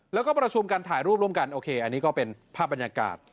แล้วก็ประชุมกันถ่ายรูปร่วมกันโอเคอันนี้ก็เป็นภาพบรรยากาศ